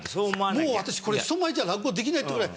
もう私人前じゃ落語できないってぐらい。